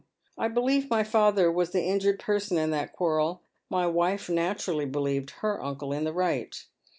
I believe my father was the injured person in that quarrel ; my wife naturally believed her uncle in the right.